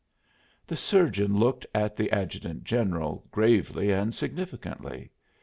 The surgeon looked at the adjutant general, gravely and significantly.